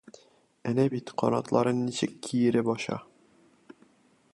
Әнә бит канатларын ничек киереп ача.